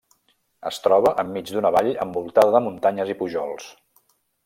Es troba enmig d'una vall, envoltada de muntanyes i pujols.